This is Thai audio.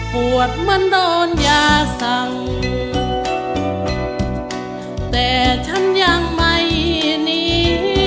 ปวดเหมือนโดนยาสั่งแต่ฉันยังไม่หนี